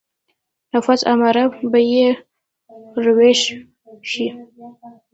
نفس اماره به يې راويښ شي.